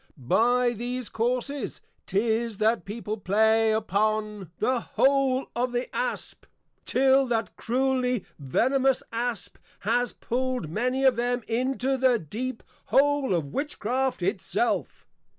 By these Courses 'tis, that People play upon The Hole of the Asp, till that cruelly venemous Asp has pull'd many of them into the deep Hole of Witchcraft it self.